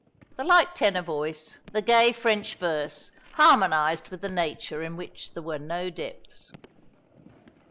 The light tenor voice, the gay French verse, harmonised with the nature in which there were no depths.